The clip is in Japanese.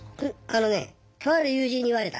あのねとある友人に言われた。